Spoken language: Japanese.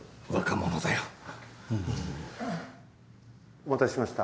お待たせしました。